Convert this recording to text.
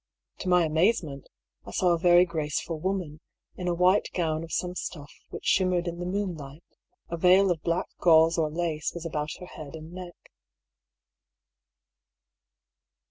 To my amazement, I saw a very graceful woman, in a white gown of some stuff which shimmered in the moonlight. A veil of black gauze or lace was about her head and neck.